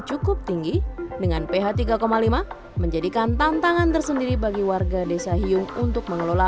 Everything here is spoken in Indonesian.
cukup tinggi dengan ph tiga lima menjadikan tantangan tersendiri bagi warga desa hiung untuk mengelola